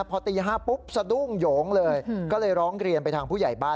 พอตี๕ปุ๊บสะดุ้งโยงเลยก็เลยร้องเรียนไปทางผู้ใหญ่บ้าน